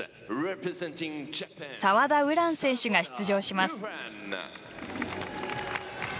澤田優蘭選手が出場します。